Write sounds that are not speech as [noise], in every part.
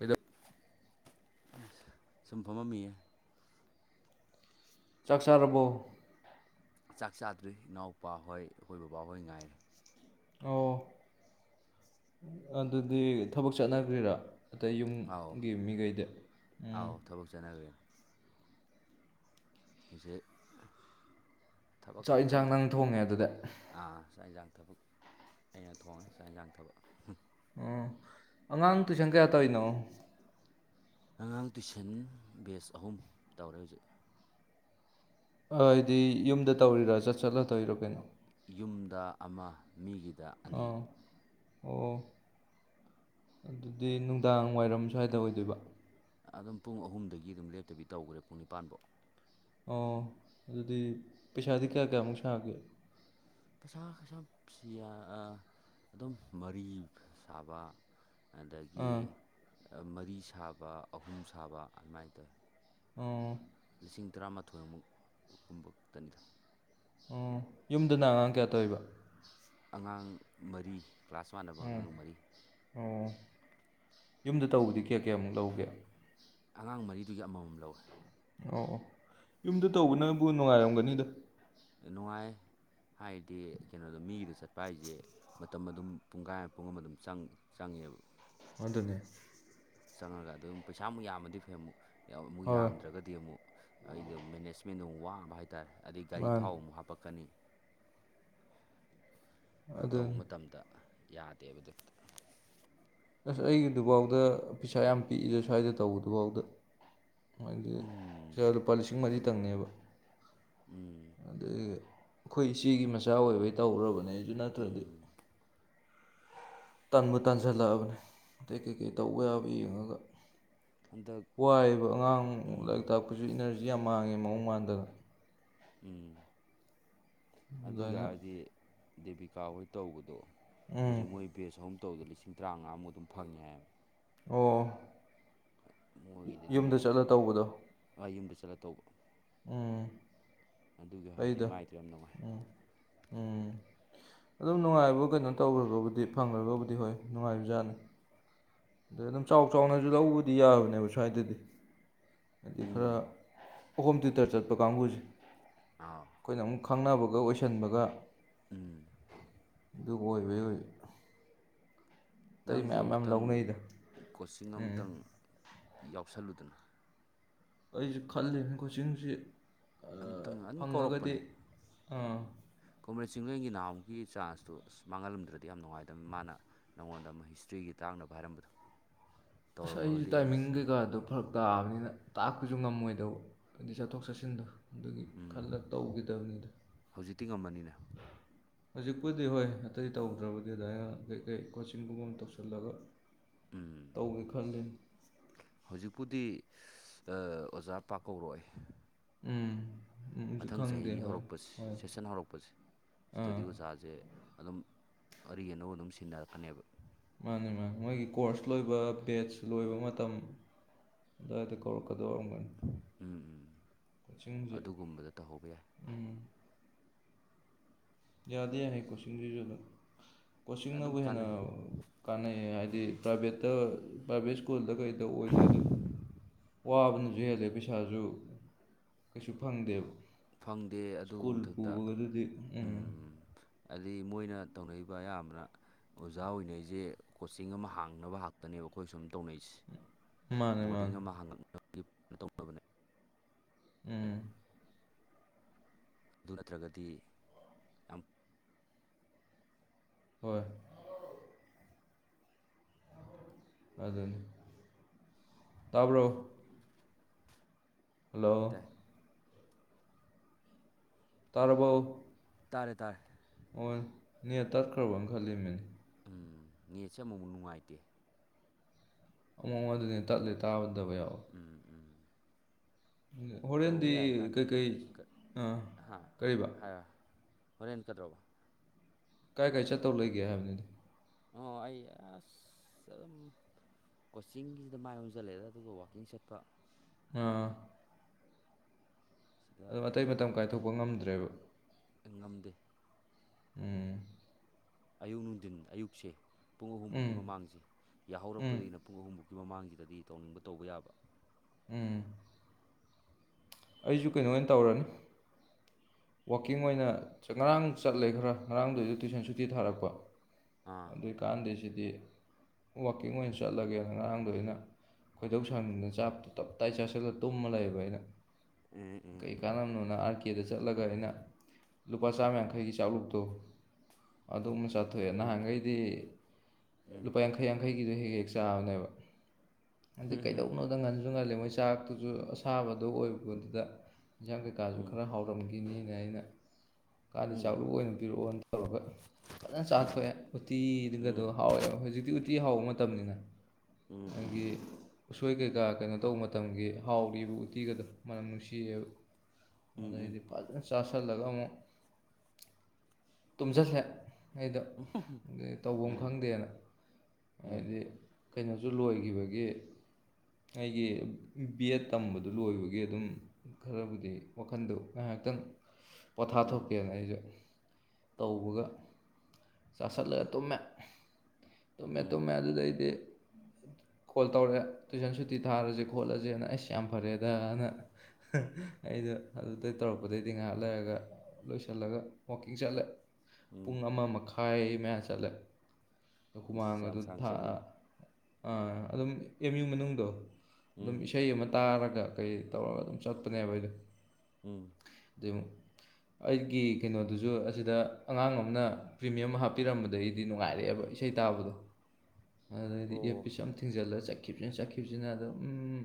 ꯏꯗꯣ ꯁꯨꯝ ꯄꯝꯃꯝꯃꯤꯌꯥ ꯆꯥꯛ ꯆꯥꯔꯕꯣ ꯆꯥꯛ ꯆꯥꯗ꯭ꯔꯤ ꯏꯅꯥꯎꯄꯥꯍꯣꯏ ꯑꯩꯈꯣꯏ ꯕꯕꯥꯍꯣꯏ ꯉꯥꯏꯔꯦ ꯑꯣ ꯑꯗꯨꯗꯤ ꯊꯕꯛ ꯆꯠꯅꯈ꯭ꯔꯤꯔꯥ ꯑꯇꯩ ꯑꯥꯎ ꯌꯨꯝꯒꯤ ꯃꯤꯈꯩꯗꯤ ꯎꯝ ꯑꯥꯎ ꯊꯕꯛ ꯆꯠꯅꯈ꯭ꯔꯦꯅ ꯍꯧꯖꯤꯛ ꯊꯕꯛ ꯆꯥꯛ ꯌꯦꯟꯁꯥꯡ ꯈꯥꯛꯇꯅꯤꯗ ꯅꯪ ꯊꯣꯡꯉꯦ ꯑꯗꯨꯗꯤ ꯆꯥꯛ ꯌꯦꯟꯁꯥꯡ ꯊꯕꯛ ꯑꯩꯅ ꯊꯣꯡꯉꯦ ꯆꯥꯛ ꯌꯦꯟꯁꯥꯡ ꯊꯕꯛ ꯑꯣ ꯑꯉꯥꯡ ꯇꯨꯏꯁꯪ ꯀꯌꯥ ꯑ ꯇꯅꯣ ꯑꯉꯥꯡ ꯇꯨꯏꯁꯟ ꯕꯦꯁ ꯑꯍꯨꯝ ꯇꯧꯔꯦ ꯍꯧꯖꯤꯛ ꯗꯤ ꯌꯨꯝꯗ ꯇꯧꯔꯤꯔꯥ ꯆꯠ ꯆꯠꯂꯗꯣꯏꯔꯣ ꯀꯩꯅꯣ ꯌꯨꯝꯗ ꯑꯃ ꯃꯤꯒꯤꯗ ꯑꯅꯤ ꯑꯥ ꯑꯣ ꯑꯗꯨꯗꯤ ꯅꯨꯡꯗꯥꯡ ꯋꯥꯏꯔꯝ ꯁ꯭ꯋꯥꯏꯗ ꯑꯣꯏꯗꯣꯏꯕ ꯑꯗꯨꯝ ꯄꯨꯡ ꯑꯍꯨꯝꯗꯒꯤ ꯑꯗꯨꯝ ꯂꯦꯞꯇꯕꯤ ꯇꯧꯈ꯭ꯔꯦ ꯄꯨꯡ ꯅꯤꯄꯥꯟꯐꯧ ꯑꯣ ꯑꯗꯨꯗꯤ ꯄꯩꯁꯥꯗꯤ ꯀꯌꯥ ꯀꯌꯥꯃꯨꯛ ꯁꯥꯒꯦ ꯄꯩꯁꯥ ꯄꯩꯁꯥ ꯑꯗꯨꯝ ꯃꯔꯤ ꯁꯥꯕ ꯑꯗꯒꯤ ꯑꯥ ꯃꯔꯤ ꯁꯥꯕ ꯑꯍꯨꯝ ꯁꯥꯕ ꯑꯗꯨꯃꯥꯏꯅ ꯇꯧꯋꯤ ꯎ ꯂꯤꯁꯤꯡ ꯇꯔꯥꯃꯥꯊꯣꯏ ꯑꯃꯨꯛ ꯀꯨꯝꯕ ꯈꯛꯇꯅꯤꯗ ꯎ ꯌꯨꯝꯗꯨꯅ ꯑꯉꯥꯡ ꯀꯌꯥ ꯇꯧꯕ ꯑꯉꯥꯡ ꯃꯔꯤ ꯀ꯭ꯂꯥꯁ ꯋꯥꯟꯅꯅꯕ ꯎꯝ ꯑꯉꯥꯡ ꯃꯔꯤ ꯑꯣ ꯌꯨꯝꯗ ꯇꯧꯕꯗꯤ ꯀꯌꯥ ꯀꯌꯥꯃꯨꯛ ꯂꯧꯒꯦ ꯑꯉꯥꯡ ꯃꯔꯤꯗꯨꯒꯤ ꯑꯃꯃꯝ ꯂꯧꯋꯦ ꯑꯧ ꯑꯣ ꯌꯨꯝꯗ ꯇꯧꯕꯅꯕꯨ ꯅꯨꯡꯉꯥꯏꯔꯝꯒꯅꯤꯗꯣ ꯅꯨꯡꯉꯥꯏ ꯍꯥꯏꯗꯤ ꯀꯩꯅꯣꯗ ꯃꯤꯒꯤꯗ ꯆꯠꯄ ꯍꯥꯏꯁꯦ ꯃꯇꯝ ꯑꯗꯨꯝ ꯄꯨꯡꯈꯥꯏ ꯄꯨꯡ ꯑꯃ ꯑꯗꯨꯝ ꯆꯪꯉꯦꯕ ꯑꯗꯨꯅꯤ ꯆꯪꯉꯒ ꯑꯗꯨ ꯑꯃꯨ ꯄꯩꯁꯥꯃꯨꯛ ꯌꯥꯝꯃꯗꯤ ꯐꯩ ꯑꯃꯨꯛ ꯑꯃꯨꯛ ꯍꯣꯏ ꯌꯥꯝꯗ꯭ꯔꯒꯗꯤ ꯑꯃꯨꯛ ꯑꯩꯗꯣ ꯃꯦꯅꯦꯖꯃꯦꯟꯗꯨ ꯑꯃ ꯋꯥꯕ ꯍꯥꯏꯇꯥꯔꯦ ꯑꯗꯨꯗꯩ ꯒꯥꯔꯤ ꯃꯥꯅꯤ ꯊꯥꯎ ꯑꯃꯨꯛ ꯍꯥꯞꯄꯛꯀꯅꯤ ꯇꯧꯕ ꯑꯗꯨꯅꯤ ꯃꯇꯝꯗ ꯌꯥꯗꯦꯕ ꯑꯗꯨ ꯑꯁ ꯑꯩꯒꯤꯗꯨꯐꯥꯎꯗ ꯄꯩꯁꯥ ꯌꯥꯝ ꯄꯤꯛꯏꯁꯦ ꯁ꯭ꯋꯥꯏꯗ ꯇꯧꯕꯗꯨꯐꯥꯎꯗ ꯍꯥꯏꯗꯤ ꯎꯝ ꯂꯨꯄꯥ ꯂꯤꯁꯤꯡ ꯃꯔꯤꯇꯪꯅꯦꯕ ꯎꯝ ꯑꯗꯒꯤ ꯑꯩꯈꯣꯏ ꯏꯆꯦꯒꯤ ꯃꯆꯥ ꯑꯣꯏꯕꯩ ꯇꯧꯔꯕꯅꯦ ꯑꯩꯁꯨ ꯅꯠꯇ꯭ꯔꯗꯤ ꯎꯝ ꯇꯟꯕꯨ ꯇꯥꯟꯖꯜꯂꯛꯑꯕꯅꯤ ꯑꯇꯩ ꯀꯩꯀꯩ ꯇꯧꯕ ꯌꯥꯕ ꯌꯦꯡꯉꯒ ꯍꯟꯗꯛ ꯋꯥꯔꯤꯕ ꯑꯉꯥꯡ ꯂꯥꯏꯔꯤꯛ ꯎꯝ ꯇꯥꯛꯄꯁꯨ ꯏꯅꯔꯖꯤ ꯌꯥꯝ ꯃꯥꯡꯉꯦ ꯃꯑꯣꯡ ꯃꯥꯟꯗꯅ ꯎꯝ ꯑꯗꯨ ꯑꯗꯨꯃꯥꯏꯅ ꯑꯣꯏꯒꯔꯗꯤ ꯗꯦꯕꯤꯀꯥꯍꯣꯏ ꯇꯧꯕꯗꯣ ꯎꯝ ꯍꯧꯖꯤꯛ ꯃꯣꯏ ꯕꯦꯖ ꯑꯍꯨꯝ ꯇꯧꯕꯗ ꯂꯤꯁꯤꯡ ꯇꯔꯥꯃꯉꯥꯃꯨꯛ ꯑꯗꯨꯝ ꯐꯪꯉꯦ ꯍꯥꯏꯌꯦꯕ ꯑꯣ ꯌꯨꯝꯗ ꯆꯠꯂ ꯇꯧꯕꯗꯣ ꯑ ꯌꯨꯝꯗ ꯆꯠꯂ ꯇꯧꯕ ꯎꯝ ꯑꯗꯨꯒꯤ ꯍꯥꯏꯗꯤ ꯑꯩꯗ ꯃꯥꯏꯗꯣ ꯌꯥꯝ ꯅꯨꯡꯉꯥꯏ ꯎꯝ ꯎꯝ ꯑꯗꯨꯝ ꯅꯨꯡꯉꯥꯏꯕ ꯀꯩꯅꯣ ꯇꯧꯈ꯭ꯔꯒꯕꯨꯗꯤ ꯐꯪꯈ꯭ꯔꯒꯕꯨꯗꯤ ꯍꯣꯏ ꯅꯨꯡꯉꯥꯏꯕ ꯖꯥꯠꯅꯤ ꯑꯗꯩ ꯑꯗꯨꯝ ꯆꯥꯎ ꯆꯥꯎꯅꯁꯨ ꯂꯧꯕꯗꯤ ꯌꯥꯕꯅꯦꯕ ꯁ꯭ꯋꯥꯏꯗꯗꯤ ꯍꯥꯏꯗꯤ ꯈꯔ ꯎꯝ ꯍꯣꯝ ꯇ꯭ꯌꯨꯇꯔ ꯆꯠꯄ ꯀꯥꯡꯕꯨꯁꯦ ꯑꯥ ꯑꯩꯈꯣꯏꯅ ꯑꯃꯨꯛ ꯈꯪꯅꯕꯒ ꯑꯣꯏꯁꯟꯕꯒ ꯎꯝ ꯑꯗꯨ ꯀꯣꯏꯕ ꯅꯪꯁꯨ ꯃꯌꯥꯝ ꯃꯌꯥꯝ ꯑꯃꯨꯛꯇꯪ ꯂꯧꯅꯩꯗ ꯀꯣꯆꯤꯡ ꯎꯝ ꯑꯃꯇꯪ ꯌꯥꯎꯁꯜꯂꯨꯗꯅ ꯑꯩꯁꯨ ꯈꯜꯂꯤꯅꯤ ꯀꯣꯆꯤꯡꯁꯤ ꯑꯝꯇꯪ ꯑꯗꯨꯝ ꯐꯪꯉꯒꯗꯤ ꯀꯧꯔꯛꯄꯅꯦ ꯆꯤꯡꯂꯦꯟꯒꯤ ꯅꯍꯥꯃꯨꯛ ꯆꯥꯟꯁꯇꯣ ꯑꯁ ꯃꯤꯡꯍꯂꯝꯗ꯭ꯔꯗꯤ ꯌꯥꯝ ꯅꯨꯡꯉꯥꯏꯒꯗꯕꯅꯤ ꯃꯥꯅ ꯅꯪꯉꯣꯟꯗ ꯑꯃ ꯍꯤꯁꯇ꯭ꯔꯤꯒꯤ ꯇꯥꯡꯅꯕ ꯍꯥꯏꯔꯝꯕꯗꯣ ꯑꯁ ꯑꯩꯁꯨ ꯇꯧꯔꯝꯃꯒꯗꯤ ꯇꯥꯏꯃꯤꯡ ꯑꯦꯠꯂꯤꯁ ꯀꯩꯀꯥꯗꯣ ꯐꯔꯛ ꯇꯥꯕꯅꯤꯅ ꯇꯥꯛꯄꯁꯨ ꯉꯝꯃꯣꯏꯗꯧꯕ ꯑꯗꯨꯗꯩ ꯆꯠꯊꯣꯛ ꯆꯠꯁꯤꯟꯗꯣ ꯑꯗꯨꯒꯤ ꯎꯝ ꯈꯜꯂ ꯇꯧꯈꯤꯗꯕꯅꯤꯗ ꯍꯧꯖꯤꯛꯇꯤ ꯉꯝꯃꯅꯤꯅ ꯍꯧꯖꯤꯛꯄꯨꯗꯤ ꯍꯣꯏ ꯑꯇꯩ ꯇꯧꯗ꯭ꯔꯕꯗꯤ ꯑꯗꯨꯃꯥꯏꯅ ꯀꯔꯤꯀꯩ ꯀꯣꯆꯤꯡꯒꯨꯝꯕ ꯑꯃ ꯇꯧꯁꯤꯜꯂꯒ ꯎꯝ ꯇꯧꯒꯦ ꯈꯜꯂꯤ ꯍꯧꯖꯤꯛꯄꯨꯗꯤ ꯑꯣꯖꯥ ꯄꯥꯛ ꯀꯧꯔꯛꯑꯣꯢ ꯎꯝ ꯎꯝꯁꯨ ꯃꯊꯪ ꯆꯍꯤ ꯈꯪꯗꯦ ꯍꯣꯏ ꯍꯧꯔꯛꯄꯁꯦ ꯍꯣꯏ ꯁꯦꯁꯟ ꯍꯧꯔꯛꯄꯁꯦ ꯁꯤꯗꯗꯤ ꯑꯥ ꯑꯣꯖꯥꯁꯦ ꯑꯗꯨꯝ ꯑꯔꯤ ꯑꯅꯧ ꯑꯗꯨꯝ ꯁꯤꯟꯅꯔꯛꯀꯅꯦꯕ ꯃꯥꯅꯦ ꯃꯥꯅꯤ ꯃꯣꯏꯒꯤ ꯀꯣꯔꯁ ꯂꯣꯏꯕ ꯕꯦꯠꯁ ꯂꯣꯏꯕ ꯃꯇꯝ ꯑꯗꯨꯋꯥꯏꯗ ꯀꯧꯔꯛꯀꯗꯧ ꯑꯣꯢꯔꯝꯒꯅꯤ ꯎꯝ ꯎꯝ ꯀꯣꯆꯤꯡꯁꯦ ꯑꯗꯨꯒꯨꯝꯕꯗ ꯇꯧꯍꯧꯕ ꯌꯥꯏ ꯎꯝ ꯌꯥꯗꯤ ꯌꯥꯢ ꯍꯥꯏ ꯀꯣꯆꯤꯡꯗꯨꯁꯨ ꯑꯗꯨꯝ ꯀꯣꯆꯤꯡꯅꯕꯨ ꯍꯦꯟꯅ ꯀꯥꯟꯅꯩ ꯀꯥꯟꯅꯩ ꯍꯥꯏꯗꯤ ꯄ꯭ꯔꯥꯏꯚꯦꯠꯇ ꯄ꯭ꯔꯥꯏꯚꯦꯠ ꯁ꯭ꯀꯨꯜꯗ ꯀꯩꯗ ꯑꯣꯏꯗꯣꯏꯗꯣ ꯋꯥꯕꯅꯁꯨ ꯍꯦꯜꯂꯦ ꯄꯩꯁꯥꯁꯨ ꯀꯩꯁꯨ ꯐꯪꯗꯦꯕ ꯐꯪꯗꯦ ꯑꯗꯨ ꯁ꯭ꯀꯨꯜ ꯃꯊꯛꯇ ꯄꯨꯕꯒꯗꯨꯗꯤ ꯎꯝ ꯑꯗꯒꯤ ꯃꯣꯏꯅ ꯇꯧꯅꯕ ꯑꯌꯥꯝꯕꯅ ꯑꯣꯖꯥ ꯑꯣꯏꯅꯩꯁꯦ ꯀꯣꯆꯤꯡ ꯑꯃ ꯍꯥꯡꯅꯕ ꯍꯥꯛꯇꯅꯦꯕ ꯑꯩꯈꯣꯏ ꯁꯨꯝ ꯇꯧꯅꯩꯁꯦ ꯃꯥꯅꯦ ꯃꯥꯅꯦ ꯕꯣꯔꯗꯤꯡ ꯑꯃ ꯍꯥꯡꯒꯛꯅꯕꯒꯤ ꯇꯧꯕꯅꯤ ꯎꯝ ꯑꯗꯨ ꯅꯠꯇ꯭ꯔꯒꯗꯤ ꯌꯥꯝ ꯍꯣꯏ ꯑꯗꯨꯅꯤ ꯇꯕ꯭ꯔꯣ ꯇꯥꯏ ꯍꯜꯂꯣ ꯇꯥꯔꯕꯣ ꯇꯥꯔꯦ ꯇꯥꯔꯦ ꯑꯣ ꯅꯦꯠ ꯇꯠꯈ꯭ꯔꯕꯅ ꯈꯜꯂꯨꯢꯃꯤꯅꯦ ꯎꯝ ꯅꯦꯠꯁꯦ ꯑꯃꯨꯃꯨꯛ ꯅꯨꯡꯉꯥꯏꯇꯦ ꯑꯃꯨꯛ ꯑꯃ ꯑꯗꯨꯅꯤ ꯇꯠꯂꯦ ꯇꯥꯕꯗꯕ ꯌꯥꯎꯋꯦ ꯎꯝ ꯎꯝ ꯇꯧꯕ ꯍꯣꯔꯦꯟꯗꯤ ꯌꯥꯏ ꯀꯥꯟꯗ ꯀꯩꯀꯩ ꯑꯥ ꯍꯥ ꯀꯔꯤꯕ ꯍꯥꯏ ꯍꯣꯔꯦꯟ ꯀꯗ꯭ꯔꯣꯕ ꯀꯥꯏ ꯀꯥꯏ ꯆꯠꯇꯧ ꯂꯩꯒꯦ ꯍꯥꯏꯕꯅꯤꯗ ꯑꯣ ꯑꯩ ꯑꯁ ꯑꯗꯨꯝ ꯀꯣꯆꯤꯡꯒꯤꯖꯤꯗ ꯃꯥꯏ ꯑꯣꯟꯖꯜꯂꯦꯗ ꯑꯗꯨꯒ ꯋꯥꯛꯀꯤꯡ ꯆꯠꯄ ꯑꯥ ꯁꯤꯗ ꯑꯗꯨ ꯑꯇꯩ ꯃꯇꯝ ꯀꯥꯏꯊꯣꯛꯄ ꯉꯝꯗ꯭ꯔꯦꯕ ꯑꯩ ꯉꯝꯗꯦ ꯎꯝ ꯑꯌꯨꯛ ꯅꯨꯡꯊꯤꯟ ꯑꯌꯨꯛꯁꯦ ꯄꯨꯡ ꯑꯍꯨꯝꯃꯨꯛꯀꯤ ꯎꯝ ꯃꯃꯥꯡꯁꯦ ꯎꯝ ꯌꯥꯍꯧꯔꯛꯄꯗꯒꯤꯅ ꯄꯨꯡ ꯑꯍꯨꯝꯃꯨꯛꯀꯤ ꯃꯃꯥꯡꯁꯤꯗꯗꯤ ꯇꯧꯅꯤꯡꯕ ꯇꯧꯕ ꯌꯥꯕ ꯎꯝ ꯑꯩꯖꯨ ꯀꯩꯅꯣ ꯑꯣꯏꯅ ꯇꯧꯔꯅꯤ ꯋꯥꯛꯀꯤꯡ ꯑꯣꯏꯅ ꯉꯔꯥꯡ ꯆꯠꯂꯦ ꯈꯔ ꯉꯔꯥꯡꯗꯨ ꯑꯩꯖꯨ ꯇꯨꯏꯁꯟ ꯁꯨꯇꯤ ꯊꯥꯔꯛꯄ ꯑꯥ ꯀꯥꯟꯗꯦ ꯁꯤꯗꯤ ꯋꯥꯛꯀꯤꯡ ꯑꯣꯏꯅ ꯆꯠꯂꯒꯦꯅ ꯉꯔꯥꯡꯗꯣ ꯑꯩꯅ ꯈꯣꯏꯗꯧ ꯁꯥꯎꯅꯤꯡꯗꯅ ꯆꯥꯞꯇꯣ ꯇꯞꯇꯥꯏ ꯆꯥꯁꯤꯜꯂꯒ ꯇꯨꯝꯃ ꯂꯩꯕ ꯑꯩꯅ ꯎꯝ ꯎꯝ ꯀꯩ ꯀꯥꯟꯅꯝꯅꯣꯅ ꯑꯥꯔ ꯀꯦꯗ ꯆꯠꯂꯒ ꯑꯩꯅ ꯂꯨꯄꯥ ꯆꯥꯝ ꯌꯥꯡꯈꯩꯒꯤ ꯆꯥꯛꯂꯨꯛꯇꯣ ꯑꯗꯨ ꯑꯃ ꯆꯥ ꯊꯣꯛꯑꯦ ꯎꯝ ꯅꯍꯥꯟꯒꯩꯗꯤ ꯂꯨꯄꯥ ꯌꯥꯡꯈꯩ ꯌꯥꯡꯈꯩꯒꯤꯗꯣ ꯍꯦꯛ ꯍꯦꯛ ꯆꯥꯕꯅꯦꯕ ꯑꯗꯩ ꯀꯩꯗꯧꯅꯣꯗ ꯉꯟꯖꯨ ꯉꯜꯂꯤ ꯃꯣꯏ ꯆꯥꯛꯇꯨꯖꯨ ꯑꯁꯥꯕꯗꯣ ꯑꯣꯏꯕ [unintelligible] ꯑꯦꯟꯖꯥꯡ ꯀꯩꯀꯥꯖꯨ ꯎꯝ ꯈꯔ ꯍꯥꯎꯔꯝꯒꯤꯅꯤꯅ ꯑꯩꯅ ꯀꯥꯟꯗꯦ ꯎꯝ ꯆꯥꯛꯂꯨꯛ ꯑꯣꯏꯅ ꯄꯤꯔꯛꯑꯣꯅ ꯇꯧꯔꯒ ꯐꯖꯅ ꯆꯥꯊꯣꯛꯑꯦ ꯎꯝ ꯎꯠꯇꯤꯗꯨꯒꯗꯣ ꯎꯝ ꯍꯥꯎꯋꯦꯕ ꯍꯧꯖꯤꯛꯇꯤ ꯎꯠ ꯇꯤ ꯍꯥꯎꯕ ꯃꯇꯝꯅꯤꯅ ꯎꯝ ꯍꯥꯏꯗꯤ ꯎꯝ ꯎꯁꯣꯏ ꯀꯩꯀꯥ ꯀꯩꯅꯣ ꯇꯧꯕ ꯃꯇꯝꯒꯤ ꯍꯥꯎꯔꯤꯕ ꯎꯇꯤꯒꯗꯣ ꯃꯅꯝ ꯅꯨꯡꯁꯤꯌꯦꯕ ꯎꯝ ꯑꯗꯩꯗꯤ ꯐꯖꯟꯅ ꯆꯥꯁꯜ ꯁꯜꯂꯒ ꯑꯃꯨꯛ ꯇꯨꯝꯖꯜꯂꯦ ꯑꯩꯗꯣ ꯑꯗꯨꯅꯤ ꯇꯧꯕꯝ ꯎꯝ ꯈꯪꯗꯦꯅ ꯎꯝ ꯍꯥꯏꯗꯤ ꯀꯩꯅꯣꯖꯨ ꯂꯣꯏꯒꯤꯕꯒꯤ ꯑꯩꯒꯤ ꯕꯦꯠ ꯇꯝꯕꯗꯨ ꯂꯣꯏꯕ ꯒꯤ ꯑꯗꯨꯝ ꯈꯔꯕꯨꯗꯤ ꯋꯥꯈꯟꯗꯣ ꯉꯥꯏꯍꯥꯛꯇꯪ ꯎꯝ ꯄꯣꯊꯥꯊꯣꯛꯀꯦꯅ ꯑꯩꯖꯨ ꯇꯧꯕꯒ ꯆꯥꯁꯜꯂꯒ ꯇꯨꯝꯃꯦ ꯇꯨꯝꯃꯦ ꯎꯝ ꯇꯨꯝꯃꯦ ꯑꯗꯨꯗꯩꯗꯤ ꯀꯣꯜ ꯇꯧꯔꯛꯑꯦ ꯇꯨꯏꯁꯟ ꯁꯨꯇꯤ ꯊꯥꯔꯖꯦ ꯈꯣꯠꯂꯖꯦꯅ ꯑꯩꯁ ꯌꯥꯝ ꯐꯔꯦꯗꯅ ꯑꯩꯗꯣ ꯑꯗꯨꯗꯩ ꯇꯧꯔꯛꯄꯗꯩꯗꯤ ꯉꯥꯏꯍꯥꯛ ꯂꯩꯔꯒ ꯂꯣꯏꯁꯜꯂꯒ ꯋꯥꯀꯤꯡ ꯆꯠꯂꯦ ꯎꯝ ꯄꯨꯡ ꯑꯃ ꯃꯈꯥꯏ ꯃꯌꯥ ꯆꯠꯂꯦ꯫ ꯏꯁ ꯌꯥꯝ ꯍꯨꯃꯥꯡꯒꯗꯨ ꯁꯥꯡ ꯊꯥꯛꯑ ꯆꯠꯂꯤꯅꯦ ꯑꯥ ꯑꯗꯨꯝ ꯑꯦꯝ ꯌꯨ ꯃꯅꯨꯡꯗꯣ ꯑꯗꯨꯝ ꯎꯝ ꯏꯁꯩ ꯑꯃ ꯇꯥꯔꯒ ꯀꯩ ꯇꯧꯔꯒ ꯑꯗꯨꯝ ꯆꯠꯄꯅꯦꯕ ꯑꯩꯗꯣ ꯎꯝ ꯑꯗꯨ ꯑꯩꯒꯤ ꯀꯩꯅꯣꯗꯨꯖꯨ ꯑꯁꯤꯗ ꯑꯉꯥꯡ ꯑꯃꯅ ꯄ꯭ꯔꯤꯃꯤꯌꯝ ꯍꯥꯞꯄꯤꯔꯝꯕꯗꯩꯗꯤ ꯅꯨꯡꯉꯥꯏꯔꯛꯑꯦꯕ ꯏꯁꯩ ꯇꯥꯕꯗꯣ ꯑꯗꯨꯗꯗꯤ ꯑꯣ ꯑꯦꯔꯄꯤꯁ ꯑꯃ ꯊꯤꯡꯖꯤꯜꯂ ꯆꯠ ꯆꯠꯈꯤꯕꯁꯤꯅ ꯆꯠꯈꯤꯕꯁꯤꯅ ꯑꯗꯨꯝ ꯎꯝ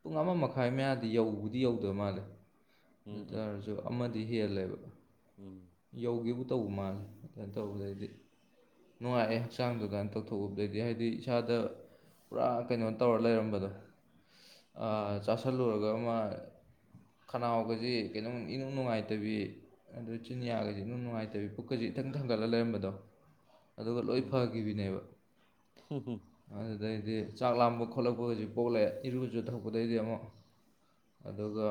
ꯄꯨꯡ ꯑꯃ ꯃꯈꯥꯏ ꯃꯌꯥꯗꯤ ꯌꯧꯕꯗꯤ ꯌꯧꯗꯕ ꯃꯥꯜꯂꯦ꯫ ꯎꯝ ꯎꯝ ꯑꯗꯨꯇꯥꯔꯁꯨ ꯑꯃꯗꯤ ꯍꯦꯜꯂꯦꯕ ꯎꯝ ꯌꯧꯒꯦꯕꯨ ꯇꯧꯕ ꯃꯥꯜꯂꯦ ꯑꯗꯨꯃꯥꯏꯅ ꯇꯧꯕꯗꯩꯗꯤ ꯅꯨꯡꯉꯥꯏꯑꯦ ꯍꯛꯆꯥꯡꯗꯨ ꯒꯟ ꯇꯧꯊꯣꯛꯎꯕꯗꯒꯤ ꯍꯥꯏꯗꯤ ꯏꯁꯥꯗ ꯄꯨꯔꯥ ꯀꯩꯅꯣ ꯇꯧꯔ ꯂꯩꯔꯝꯕꯗꯣ ꯑ ꯎꯝ ꯆꯥꯁꯤꯜꯂꯨꯔꯒ ꯑꯃ ꯈꯅꯥꯎꯒꯖꯤ ꯀꯩꯅꯣꯝ ꯏꯅꯨꯡ ꯅꯨꯡꯉꯥꯏꯇꯕꯤ ꯑꯗꯩ ꯆꯤꯟꯌꯥꯒꯁꯦ ꯏꯅꯨꯡ ꯅꯨꯡꯉꯥꯏꯇꯕꯤ ꯄꯨꯛꯀꯥꯁꯦ ꯏꯊꯪ ꯊꯪꯒꯠꯂ ꯂꯩꯔꯝꯕꯗꯣ ꯑꯗꯨꯒ ꯂꯣꯏ ꯎꯝ ꯐꯈꯤꯕꯤꯅꯦꯕ ꯎꯝ ꯑꯗꯨꯗꯩꯗꯤ ꯆꯥꯛ ꯂꯥꯝꯕ ꯈꯣꯠꯂꯛꯄꯒꯥꯖꯦ ꯄꯣꯛꯂꯛꯑꯦ ꯏꯔꯨꯖꯊꯣꯛꯄꯗꯩꯗꯤ ꯑꯃꯨꯛ ꯑꯗꯨꯒ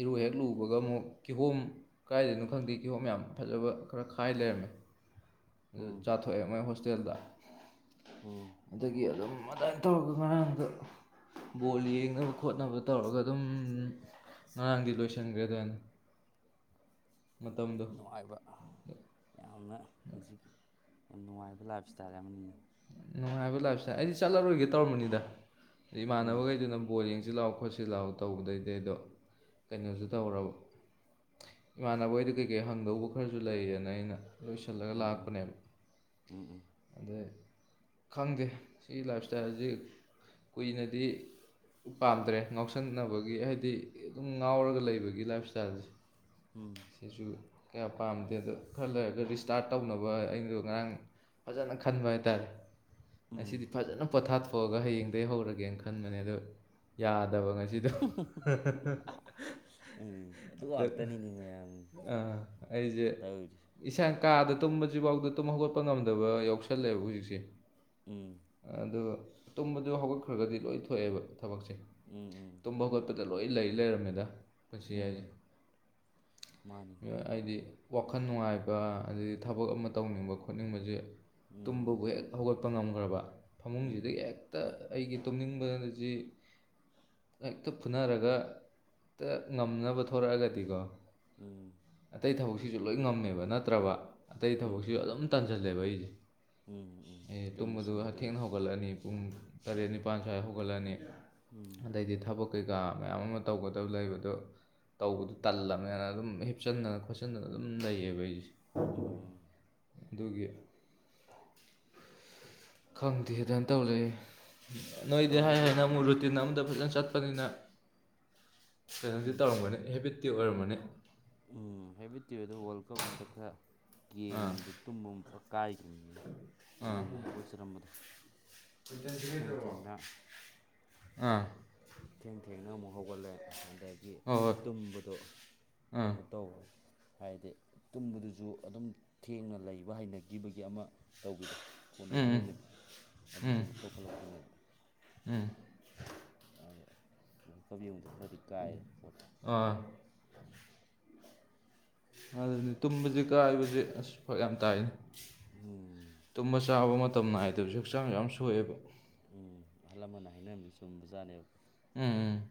ꯏꯔꯨ ꯍꯦꯛ ꯂꯨꯕꯒ ꯑꯃꯨꯛ ꯀꯤꯍꯣꯝ ꯀꯗꯥꯥꯏꯗꯅꯣ ꯈꯪꯗꯦ ꯀꯤꯍꯣꯝ ꯌꯥꯝ ꯐꯖꯕ ꯈꯔ ꯈꯥꯏ ꯂꯩꯔꯝꯃꯦ ꯑꯗꯨ ꯎꯝ ꯆꯥꯊꯣꯛꯑꯦ ꯃꯣꯏ ꯍꯣꯁꯇꯦꯜꯗ ꯎꯝ ꯑꯗꯒꯤ ꯑꯗꯨꯝ ꯑꯗꯨꯃꯥꯏꯅ ꯇꯧꯔꯒ ꯉꯔꯥꯡꯗꯣ ꯕꯣꯜ ꯌꯦꯡꯅꯕ ꯈꯣꯠꯅꯕ ꯇꯧꯔꯒ ꯑꯗꯨꯝ ꯉꯔꯥꯡꯗꯤ ꯂꯣꯏꯁꯟꯈ꯭ꯔꯦ ꯑꯗꯨꯃꯥꯏ ꯅꯨꯡꯉꯥꯏꯕ ꯌꯥꯝꯅ ꯍꯧꯖꯤꯛ ꯌꯥꯝ ꯅꯨꯡꯉꯥꯏꯕ ꯂꯥꯏꯞ ꯏꯁꯇꯥꯏꯜ ꯑꯃꯅꯤ ꯅꯨꯡꯉꯥꯏꯕ ꯂꯥꯏꯞꯏꯁꯇꯥꯏꯜ ꯑꯩꯗꯤ ꯆꯠꯂꯔꯣꯏꯒꯦ ꯇꯧꯔꯝꯕꯅꯤꯗ ꯎꯝ ꯏꯃꯥꯟꯅꯕꯈꯩꯗꯨꯅ ꯑꯃꯨꯛ ꯕꯣꯜ ꯌꯦꯡꯁꯤꯂꯥꯎ ꯈꯣꯠꯁꯤ ꯂꯥꯎ ꯇꯧꯕꯥꯗꯩꯗꯤ ꯑꯗꯣ ꯀꯩꯅꯣꯁꯨ ꯇꯧꯔꯕ ꯏꯃꯥꯟꯅꯕ ꯍꯣꯏꯗꯥ ꯀꯩꯀꯩ ꯍꯪꯗꯧꯕ ꯈꯔꯁꯨ ꯂꯩꯌꯦꯅ ꯑꯩꯅ ꯂꯣꯏꯁꯤꯜꯂꯒ ꯎꯝ ꯎꯝ ꯂꯥꯛꯄꯅꯦꯕ ꯎꯝ ꯑꯗꯥ ꯈꯪꯗꯦ ꯁꯤ ꯂꯥꯏꯞ ꯏꯁꯇꯥꯏꯜꯁꯤ ꯀꯨꯏꯅꯗꯤ ꯄꯥꯝꯗ꯭ꯔꯦ ꯉꯥꯎꯁꯟꯅꯕꯒꯤ ꯍꯥꯏꯗꯤ ꯑꯗꯨꯝ ꯉꯥꯎꯔꯒ ꯂꯩꯕꯒꯤ ꯂꯥꯏꯞ ꯏꯁꯇꯥꯏꯜꯁꯦ [unintelligible] ꯁꯤꯁꯨ ꯀꯌꯥ ꯄꯥꯝꯗꯦ ꯑꯗꯣ ꯈꯔ ꯂꯩꯔꯒ ꯔꯤꯁꯇꯥꯔꯠ ꯇꯧꯅꯕ ꯑꯩꯗꯣ ꯉꯔꯥꯡ ꯐꯖꯅ ꯈꯟꯕ ꯍꯥꯏꯇꯥꯔꯦ ꯎꯝ ꯉꯁꯤꯗꯤ ꯐꯖꯅ ꯄꯣꯊꯥꯊꯣꯛꯑꯒ ꯍꯌꯦꯡꯗꯒꯤ ꯍꯧꯔꯒꯦꯅ ꯈꯟꯕꯅꯦ ꯑꯗꯣ ꯌꯥꯗꯕ ꯉꯁꯤ ꯖꯤꯗꯣ ꯎꯝ ꯑꯗꯨ ꯑꯗꯣ ꯉꯥꯛꯇꯅꯤꯅꯦ ꯃꯌꯥꯝ ꯑꯥ ꯑꯩꯖꯦ ꯇꯧꯔꯤꯁꯦ ꯏꯁꯥ ꯀꯥꯗ ꯇꯨꯝꯕꯁꯤ ꯐꯥꯎꯗ ꯇꯨꯝ ꯍꯧꯒꯠꯄ ꯉꯝꯗꯕ ꯌꯥꯎꯁꯜꯂꯦꯕ ꯍꯧꯖꯤꯛꯁꯦ ꯎꯝ ꯑꯗꯨ ꯇꯨꯝꯕꯗꯨ ꯍꯧꯒꯠꯈ꯭ꯔꯒꯗꯤ ꯂꯣꯏ ꯊꯣꯛꯑꯦꯕ ꯊꯕꯛꯁꯦ ꯎꯝ ꯇꯨꯝꯕ ꯈꯣꯠꯄꯗ ꯂꯣꯏ ꯂꯩ ꯂꯩꯔꯝꯃꯦꯗꯥ ꯄꯨꯟꯁꯤ ꯍꯥꯏꯁꯦ ꯎꯝ ꯃꯥꯅꯤꯅꯦ ꯍꯥꯏꯗꯤ ꯋꯥꯈꯜ ꯅꯨꯡꯉꯥꯏꯕ ꯑꯥꯗꯩ ꯊꯕꯛ ꯑꯃ ꯇꯧꯅꯤꯡꯕ ꯈꯣꯠꯅꯤꯡꯕꯁꯦ ꯎꯝ ꯇꯨꯝꯕꯕꯨ ꯍꯦꯛ ꯍꯧꯒꯠꯄ ꯉꯝꯈ꯭ꯔꯕ ꯎꯝ ꯐꯃꯨꯡꯁꯤꯗꯒꯤ ꯍꯦꯛꯇ ꯑꯩꯒꯤ ꯇꯨꯝꯅꯤꯡꯕꯥꯖꯤ ꯍꯦꯛꯇ ꯐꯨꯅꯔꯒ ꯍꯦꯛꯇ ꯉꯝꯅꯕ ꯊꯣꯔꯛꯑꯒꯗꯤꯀꯣ ꯎꯝ ꯑꯇꯩ ꯊꯕꯛꯁꯤꯁꯨ ꯂꯣꯏ ꯉꯝꯃꯦꯕ ꯅꯠꯇ꯭ꯔꯕ ꯑꯇꯩ ꯊꯕꯛꯁꯤꯁꯨ ꯑꯗꯨꯝ ꯇꯟꯖꯟꯂꯦꯕ ꯑꯩꯁꯦ ꯎꯝꯝ ꯎꯝ ꯑꯩ ꯆꯨꯝꯃꯦ ꯇꯨꯝꯕꯗꯨ ꯆꯨꯝꯃꯦ ꯑꯗꯨ ꯊꯦꯡꯅ ꯍꯧꯒꯠꯂꯛꯑꯥꯅꯤ ꯄꯨꯡ ꯇꯔꯦꯠ ꯅꯤꯄꯥꯜ ꯁ꯭ꯋꯥꯏ ꯍꯧꯒꯠꯂꯥꯅꯤ ꯎꯝ ꯑꯗꯩꯗꯤ ꯊꯕꯛ ꯀꯩꯀꯥ ꯃꯌꯥꯝ ꯑꯃ ꯇꯧꯒꯗꯕ ꯂꯩꯕꯗꯣ ꯇꯧꯕꯗꯨ ꯇꯜꯂꯕꯃꯦꯅ ꯑꯗꯨꯝ ꯍꯤꯞꯆꯟꯗꯅ ꯈꯣꯠꯆꯟꯗꯅ ꯑꯗꯨꯝ ꯂꯩꯌꯦꯕ ꯑꯩꯁꯦ ꯎꯝ ꯎꯝ ꯑꯗꯨꯒꯤ ꯈꯪꯗꯦ ꯑꯗꯨꯃꯥꯏ ꯇꯧꯂꯩꯔꯦ ꯅꯣꯏꯗꯤ ꯍꯥꯏ ꯇꯧꯕꯨꯗꯤ ꯍꯥꯏꯅ ꯑꯃꯨꯛ ꯔꯨꯇꯤꯟ ꯑꯃꯝꯗ ꯐꯖꯅ ꯆꯠꯄꯥꯅꯤꯅ ꯀꯩꯅꯣꯗꯤ ꯎꯝ ꯇꯧꯔꯝꯒꯅꯤ ꯍꯦꯕꯤꯠꯇꯤ ꯑꯣꯏꯔꯝꯃꯥꯅꯤ ꯎꯝ ꯍꯦꯕꯤꯠꯇꯤ ꯑꯣꯏ ꯑꯗꯨ ꯋꯥꯔꯜ ꯀꯞ ꯍꯟꯇꯛ ꯈꯔ ꯑꯥ ꯌꯦꯡꯉꯨꯕꯗꯣ ꯇꯨꯝꯃꯨ ꯀꯥꯏꯈꯔꯤꯅꯤ ꯑꯥ ꯉꯟꯅ ꯍꯧꯒꯠꯆꯔꯝꯕꯗꯣ ꯊꯦꯡ ꯊꯦꯡꯅ ꯑꯥ ꯊꯦꯡ ꯊꯦꯡꯅ ꯑꯃꯨꯛ ꯍꯧꯒꯠꯂꯦ ꯑꯗꯒꯤ ꯍꯣꯏ ꯍꯣꯏ ꯇꯨꯝꯕꯗꯣ ꯑꯥ ꯀꯩꯅꯣ ꯇꯧ ꯍꯥꯏꯗꯤ ꯇꯨꯝꯕꯗꯨꯁꯨ ꯑꯗꯨꯝ ꯊꯦꯡꯅ ꯂꯩꯕ ꯍꯩꯅꯈꯤꯕꯒꯤ ꯑꯃ ꯇꯧꯕꯤꯗꯣ ꯐꯣꯟ ꯎꯝ ꯌꯦꯡꯉꯥ ꯎꯝ ꯂꯩꯅꯕꯤꯗꯣ ꯑꯗꯨꯁꯨ ꯎꯝ ꯑꯃꯨꯛ ꯇꯧꯈꯠꯂꯛꯄꯤꯅꯦ ꯎꯝ ꯑꯗꯥ ꯋꯥꯔꯜ ꯀꯞ ꯌꯦꯡꯕꯥꯗ ꯈꯔꯗꯤ ꯀꯥꯏꯔꯦ ꯄꯣꯠꯁꯦ ꯑꯥ ꯑꯗꯨꯅꯦ ꯇꯨꯝꯕꯁꯤ ꯀꯥꯏꯕꯁꯦ ꯑꯁ ꯐꯔꯛ ꯌꯥꯝ ꯇꯥꯏ ꯎꯝ ꯇꯨꯝꯕ ꯆꯥꯕ ꯃꯇꯝ ꯅꯥꯏꯗꯕꯁꯨ ꯍꯛꯆꯥꯡ ꯌꯥꯝ ꯁꯣꯛꯑꯦꯕ ꯎꯝ ꯑꯍꯜ ꯂꯃꯟꯅ ꯍꯥꯏꯅꯔꯝꯕꯗꯤ ꯆꯨꯝꯕꯖꯥꯠꯅꯦꯕ ꯎꯝ ꯎꯝ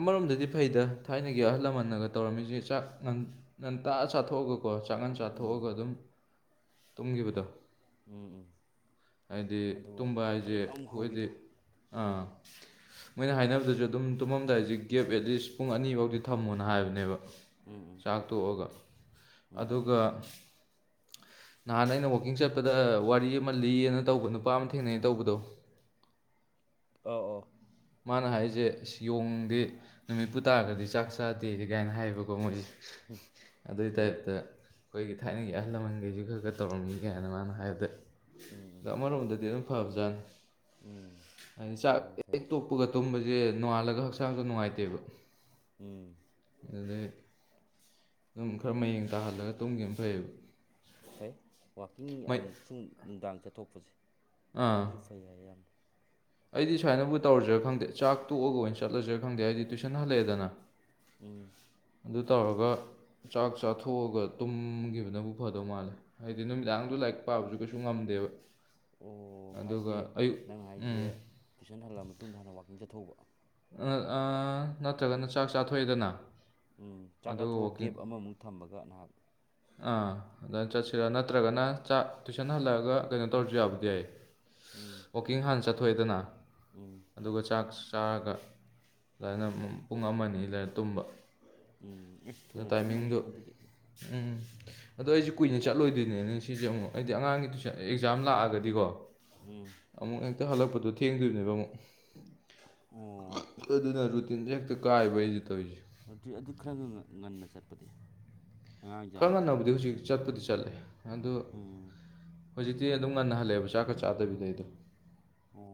ꯑꯃꯔꯣꯝꯗꯗꯤ ꯐꯩꯗ ꯊꯥꯏꯅꯒꯤ ꯑꯍꯜ ꯂꯃꯟꯅꯒ ꯇꯧꯔꯝꯃꯤꯁꯦ ꯆꯥꯛ ꯉꯟꯇꯥꯅ ꯆꯥꯊꯣꯛꯑꯒꯀꯣ ꯆꯥꯛꯉꯟ ꯎꯝ ꯆꯥꯊꯣꯛꯑꯒ ꯑꯗꯨꯝ ꯇꯨꯝꯈꯤꯕꯗꯣ ꯎꯝ ꯎꯝ ꯍꯥꯏꯗꯤ ꯑꯗꯨꯒ ꯇꯨꯝꯕ ꯍꯥꯏꯁꯦ ꯀꯟꯅ ꯑꯃꯨꯛ ꯈ‌ꯣꯏꯗꯤ ꯍꯧꯕꯤꯗꯣ ꯑꯥ ꯃꯣꯏꯅ ꯍꯥꯏꯅꯕꯗꯁꯨ ꯑꯗꯨꯝ ꯇꯨꯝꯃꯝꯗꯥꯏꯁꯤ ꯒꯦꯞ ꯑꯦꯠꯂꯤꯁ ꯄꯨꯡ ꯑꯅꯤꯐꯧꯗꯤ ꯊꯝꯃꯣꯅ ꯍꯥꯏꯕꯅꯦꯕ ꯎꯝ ꯎꯝ ꯆꯥꯛꯇꯣꯛꯑꯒ ꯎꯝ ꯑꯗꯨꯒ ꯅꯍꯥꯟ ꯑꯩꯅ ꯋꯥꯛꯀꯤꯡ ꯆꯠꯄꯗ ꯋꯥꯔꯤ ꯑꯃ ꯂꯤꯌꯦꯅ ꯇꯧꯕ ꯅꯨꯄꯥ ꯑꯃ ꯊꯦꯡꯅꯩ ꯇꯧꯕꯗꯣ ꯑꯧ ꯑꯧ ꯃꯥꯅ ꯍꯥꯏꯁꯦ ꯌꯣꯡꯗꯦ ꯅꯨꯃꯤꯠꯄꯨ ꯇꯥꯔꯒꯗꯤ ꯆꯥꯛ ꯆꯥꯗꯦꯌ‌ꯦ ꯀꯥꯏꯅ ꯍꯥꯏꯕꯒꯣ ꯃꯣꯏꯁꯦ ꯑꯗꯨꯏ ꯎꯝ ꯇꯥꯏꯞꯇ ꯑꯩꯈꯣꯏꯒꯤ ꯊꯥꯏꯅꯒꯤ ꯑꯍꯜ ꯂꯃꯟꯈꯩꯁꯨ ꯈꯔ ꯈꯔ ꯇꯧꯔꯝꯅꯤ ꯀꯥꯏꯅ ꯃꯥꯅ ꯍꯥꯏꯕꯗ ꯎꯝ ꯑꯗꯣ ꯎꯝ ꯑꯃꯔꯣꯝꯗꯗꯤ ꯑꯗꯨꯝ ꯐꯕꯖꯥꯠꯅ‌ꯦ ꯎꯝ ꯍꯥꯏꯗꯤ ꯆꯥꯛ ꯐꯔꯦ ꯐꯔꯦ ꯇꯣꯛꯄꯒ ꯇꯨꯝꯕꯁꯦ ꯅꯣꯡꯉꯥꯜꯂꯒ ꯍꯛꯆꯥꯡꯁꯨ ꯅꯨꯡꯉꯥꯏꯇꯦꯕ ꯎꯝ ꯑꯗꯨꯗꯩ ꯑꯗꯨꯝ ꯈꯔ ꯃꯌꯦꯡ ꯇꯥꯍꯜꯂꯒ ꯇꯨꯝꯈꯤꯝꯅ ꯐꯩꯌꯦꯕ ꯐꯩ ꯋꯥꯛꯀꯤꯡ ꯃꯩ ꯑꯃꯨꯛꯁꯨ ꯅꯨꯡꯗꯥꯡ ꯆꯠꯊꯣꯛꯄꯁꯦ ꯑꯥ ꯁꯤꯁꯨ ꯐꯩ ꯍꯥꯏ ꯌꯥꯝꯅ ꯑꯩꯗꯤ ꯁꯨꯃꯥꯏꯅꯕꯨ ꯇꯧꯔꯁꯤꯔꯥ ꯈꯪꯗꯦ ꯆꯥꯛ ꯇꯣꯛꯑꯒ ꯑꯣꯏꯅ ꯆꯠꯂꯁꯤꯔ ꯈꯪꯗꯦ ꯍꯥꯏꯗꯤ ꯇꯨꯏꯁꯟ ꯍꯜꯂꯛꯑꯦꯗꯅ ꯎꯝ ꯑꯗꯨ ꯇꯧꯔꯒ ꯆꯥꯛ ꯆꯥꯊꯣꯛꯑꯒ ꯇꯨꯝꯈꯤꯕꯅꯕꯨ ꯐꯗꯧ ꯃꯥꯜꯂꯦ ꯍꯥꯏꯗꯤ ꯅꯨꯃꯤꯗꯥꯡꯗ ꯂꯥꯏꯔꯤꯛ ꯄꯥꯕꯁꯨ ꯀꯩꯁꯨ ꯉꯝꯗꯦꯕ ꯑꯣ ꯍꯥꯏꯗꯤ ꯑꯗꯨꯒ ꯑꯌꯨꯛ ꯅꯪ ꯍꯥꯏꯁꯦ ꯎꯝ ꯇꯨꯏꯁꯟ ꯍꯜꯂ ꯃꯇꯨꯡꯗ ꯍꯥꯟꯅ ꯋꯥꯛꯀꯤꯡ ꯆꯠꯊ‌ꯣꯛꯎꯕ ꯑꯥ ꯑꯥ ꯅꯠꯇ꯭ꯔꯒꯅ ꯆꯥꯛ ꯆꯥꯊꯣꯛꯑꯦꯗꯅ ꯎꯝ ꯆꯥꯛ ꯑꯗꯨꯒ ꯆꯥꯊꯣꯛꯑ ꯋꯥꯛꯀꯤꯡ ꯒꯦꯞ ꯑꯃꯃꯨꯛ ꯊꯝꯕꯒ ꯅꯍꯥꯛ ꯑꯥ ꯑꯗꯥꯏ ꯆꯠꯁꯤꯔ ꯅꯠꯇ꯭ꯔꯒꯅ ꯆꯥꯛ ꯇꯨꯏꯁꯟ ꯍꯜꯂꯛꯑꯒ ꯀꯩꯅꯣ ꯇꯧꯔꯁꯨ ꯌꯥꯕꯨꯗꯤ ꯌꯥꯏ ꯎꯝ ꯋꯥꯛꯀꯤꯡ ꯍꯥꯟꯅ ꯆꯠꯊꯣꯛꯑꯦꯗꯅ ꯎꯝ ꯑꯗꯨꯒ ꯆꯥꯛ ꯆꯥꯔꯒ ꯑꯗꯥꯏꯅ ꯄꯨꯡ ꯑꯃ ꯑꯅꯤ ꯂꯩꯔ ꯇꯨꯝꯕ ꯎꯝ ꯑꯁ ꯑꯗꯨ ꯊꯨꯅ ꯇꯨꯝꯃꯅꯤ ꯇꯥꯏꯃꯤꯡꯗꯣ ꯃꯗꯨꯗꯤ ꯎꯝ ꯑꯗꯣ ꯑꯩꯁꯦ ꯀꯨꯏꯅ ꯆꯠꯂꯣꯏꯗꯣꯏꯅꯦꯅꯦ ꯁꯤꯁꯦ ꯑꯃꯨꯛ ꯑꯩꯗꯤ ꯑꯉꯥꯡꯒꯤ ꯇꯨꯁ ꯑꯦꯛꯖꯥꯝ ꯂꯥꯛꯑꯒꯗꯤꯀꯣ ꯎꯝ ꯑꯃꯨꯛ ꯍꯦꯛꯇ ꯍꯜꯂꯛꯄꯗꯣ ꯊꯦꯡꯗꯣꯏꯅꯦꯕ ꯑꯃꯨꯛ ꯑꯣ ꯑꯗꯨ ꯗꯨꯅ ꯔꯨꯇꯤꯟꯁꯤꯅ ꯍꯦꯛꯇ ꯀꯥꯏꯕ ꯑꯩꯅꯥ ꯇꯧꯔꯤꯁꯦ ꯅꯠꯇ꯭ꯔꯤ ꯑꯗꯨ ꯈꯔ ꯉꯟꯅ ꯆꯠꯄꯗꯤ ꯑꯉꯥꯡ ꯈꯔ ꯌꯥꯝꯗꯗꯤ ꯉꯟꯅꯕꯨꯗꯤ ꯍꯧꯖꯤꯛ ꯆꯠꯄꯗꯤ ꯆꯠꯂꯦ ꯑꯗꯣ ꯎꯝ ꯍꯧꯖꯤꯛꯇꯤ ꯑꯗꯨꯝ ꯉꯟꯅ ꯍꯜꯂꯛꯑꯦꯕ ꯆꯥꯛꯀ ꯆꯥꯗꯕꯤꯗ ꯑꯩꯗꯤ ꯑꯣ